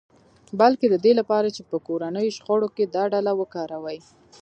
بلکې د دې لپاره چې په کورنیو شخړو کې دا ډله وکاروي